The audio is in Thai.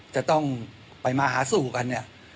จะต้องไปมาหาสู่กันเนี่ย